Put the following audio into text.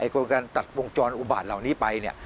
กรุงการตัดวงจรอุบัติเหล่านี้ไป